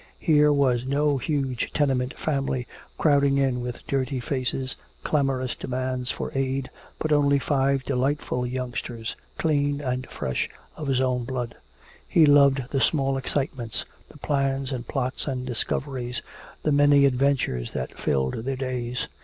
Here was no huge tenement family crowding in with dirty faces, clamorous demands for aid, but only five delightful youngsters, clean and fresh, of his own blood. He loved the small excitements, the plans and plots and discoveries, the many adventures that filled their days.